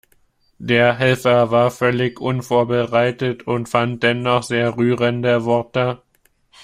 Der Helfer war völlig unvorbereitet und fand dennoch sehr rührende Worte.